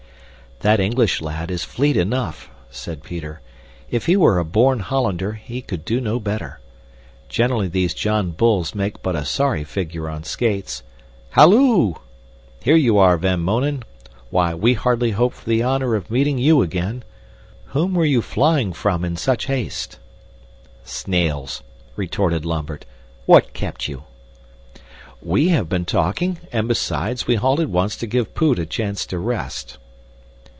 "That English lad is fleet enough," said Peter. "If he were a born Hollander, he could do no better. Generally these John Bulls make but a sorry figure on skates. Halloo! Here you are, Van Mounen. Why, we hardly hoped for the honor of meeting you again. Whom were you flying from in such haste?" "Snails," retorted Lambert. "What kept you?" "We have been talking, and besides, we halted once to give Poot a chance to rest."